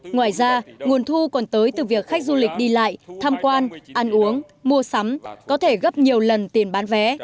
ngoài ra nguồn thu còn tới từ việc khách du lịch đi lại tham quan ăn uống mua sắm có thể gấp nhiều lần tiền bán vé